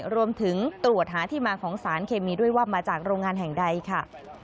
รวมถึงตรวจหาที่มาของสารเคมีด้วยว่ามาจากโรงงานแห่งใดค่ะ